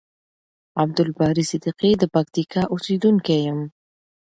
عبدالباری صدیقی د پکتیکا اوسیدونکی یم.